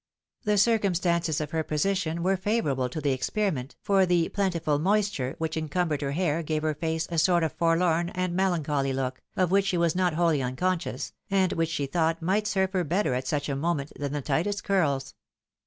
The circumstances of her position were favourable to the experi ment, for the " plentiful moisture " which encumbered her hair gave her face a sort of forlorn and melancholy look, of which she was not wholly unconscious, and which she thought might serve her better at such a moment than the tightest curls.